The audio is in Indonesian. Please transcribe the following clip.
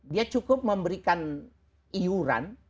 dia cukup memberikan iuran